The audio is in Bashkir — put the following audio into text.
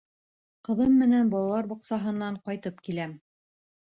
Ҡыҙым менән балалар баҡсаһынан ҡайтып киләм.